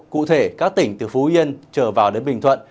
cụ thể các tỉnh từ phú yên trở vào đến bình thuận